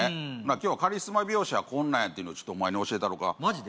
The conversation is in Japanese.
今日はカリスマ美容師はこんなんやっていうのちょっとお前に教えたろかマジで？